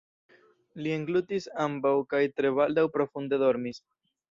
Li englutis ambaŭ kaj tre baldaŭ profunde dormis.